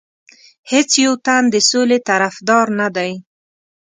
هیڅ یو تن د سولې طرفدار نه دی.